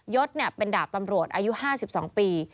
ศเป็นดาบตำรวจอายุ๕๒ปี